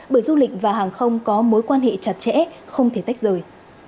bởi du lịch và hàng không có mối quan hệ chặt chẽ không thể tách rời